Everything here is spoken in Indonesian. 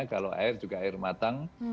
kalau air juga air matang